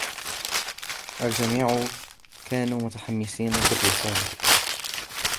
الجميع كانوا متحمسين بالرسالة.